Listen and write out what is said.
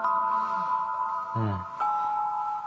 うん。